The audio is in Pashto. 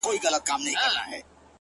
کلونه وسول دا وايي چي نه ځم اوس به راسي”